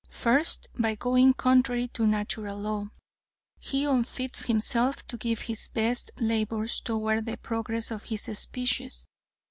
First, by going contrary to Natural Law, he unfits himself to give his best labors toward the progress of his species.